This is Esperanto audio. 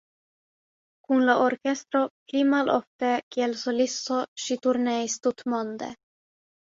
Kun la orkestro, pli malofte kiel solisto ŝi turneis tutmonde.